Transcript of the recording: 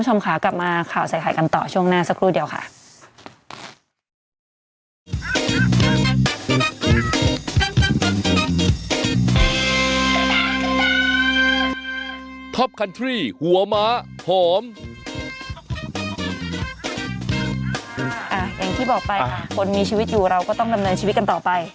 อย่างที่บอกไปค่ะคนมีชีวิตอยู่เราก็ต้องดำเนินชีวิตกันต่อไป